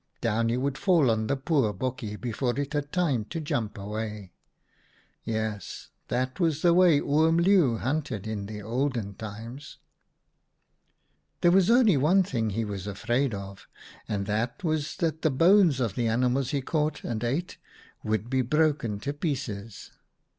— down he would fall on the poor bokkie before it had time to jump away. Yes, that was the way Oom Leeuw hunted in the olden times. ''There was only one thing he was afraid of, and that was that the bones of the animals he caught and ate would be broken to pieces.